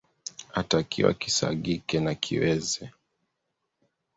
atakiwa kisagike na kiweze